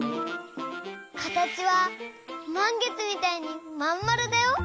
かたちはまんげつみたいにまんまるだよ。